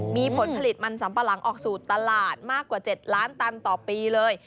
มีผลผลิตมันสัมปะหลังออกสู่ตลาดมากกว่า๗ล้านตันต่อปีเลย